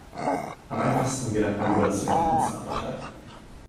Am einfachsten gelangt man über das Joch ins Nachbartal.